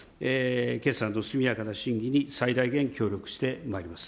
決算と速やかな審議に最大限協力してまいります。